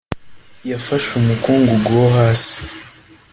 yafashe umukungugu wo hasi